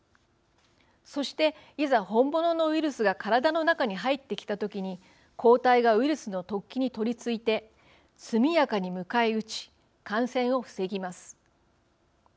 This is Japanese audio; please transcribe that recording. そしていざ本物のウイルスが体の中に入ってきた時に抗体がウイルスの突起に取りついて速やかに迎え撃ち感染を防ぎます。